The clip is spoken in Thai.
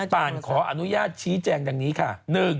ป่านขออนุญาตชี้แจงดังนี้ค่ะ